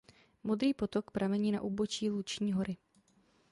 Modrý potok pramení na úbočí Luční hory.